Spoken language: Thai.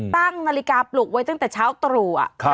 ตั้งนาฬิกาปลุกไว้ตั้งแต่เช้าตรู่